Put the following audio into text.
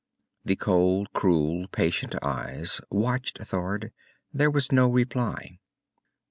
The cold, cruel, patient eyes watched Thord. There was no reply.